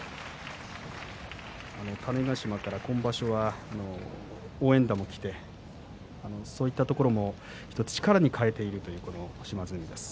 種子島から今場所は応援団も来てそういったところも力に変えているという島津海です。